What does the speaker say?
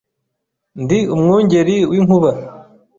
Ndi umwungeri w’inkuba